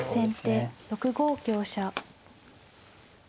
先手６五香車。